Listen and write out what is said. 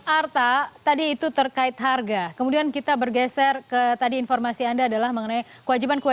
arta tadi itu terkait harga kemudian kita bergeser ke tadi informasi anda adalah mengenai kewajiban kewajiban lain yang diperlukan